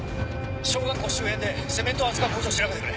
小学校周辺でセメントを扱う工場を調べてくれ。